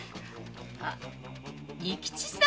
あ仁吉さん？